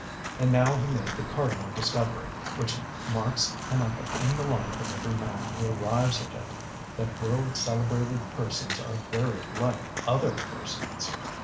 And now he made the cardinal discovery, which marks an epoch in the life of every man who arrives at it, that world celebrated persons are very like other persons.